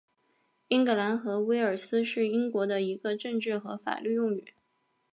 英格兰和威尔斯是英国的一个政治和法律用语。